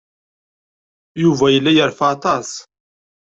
Yuba yella yerfa aṭas.